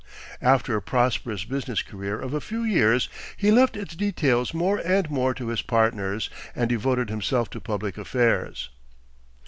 After a prosperous business career of a few years he left its details more and more to his partners, and devoted himself to public affairs.